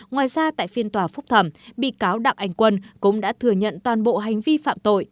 ngoài ra tại phiên tòa phúc thẩm bị cáo đặng anh quân cũng đã thừa nhận toàn bộ hành vi phạm tội